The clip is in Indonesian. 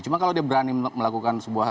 cuma kalau dia berani melakukan sebuah